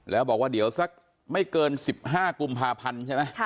แล้วบอกว่าเดี๋ยวสักไม่เกิน๑๕กุมภาพันธ์ใช่ไหม